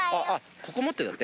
ここ持ってだって。